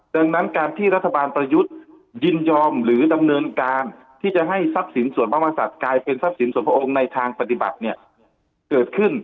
ดังนั้นการที่รัฐบาลประยุทธ์ยินยอมหรือดำเนินการที่จะให้ทรัพย์สินส่วนพระมศัตว์กลายเป็นทรัพย์สินส่วนพระองค์ในทางปฏิบัติเนี่ยเกิดขึ้น